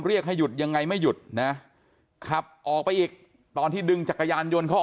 ให้หยุดยังไงไม่หยุดนะขับออกไปอีกตอนที่ดึงจักรยานยนต์เขาออก